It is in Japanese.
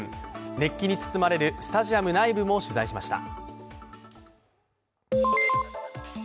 熱気に包まれるスタジアム内部も取材しました。